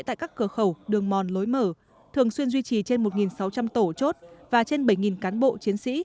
tại các cửa khẩu đường mòn lối mở thường xuyên duy trì trên một sáu trăm linh tổ chốt và trên bảy cán bộ chiến sĩ